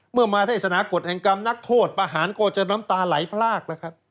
เมื่อมาเทศนากฎแห่งกรรมนักโทษประหารโกรธจะน้ำตาไหลพราก